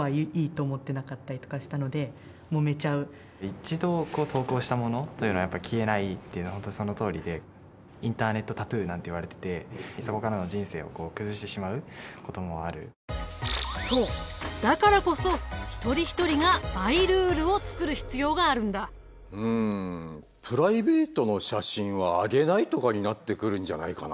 一度投稿したものというのはやっぱ消えないっていうのは本当そのとおりでインターネットタトゥーなんて言われててそこからのそうだからこそ一人一人がマイルールを作る必要があるんだ。とかになってくるんじゃないかな